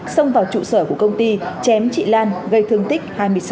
xông vào trụ sở của công ty chém chị lan gây thương tích hai mươi sáu